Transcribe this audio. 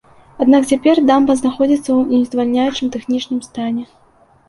Аднак цяпер дамба знаходзіцца ў нездавальняючым тэхнічным стане.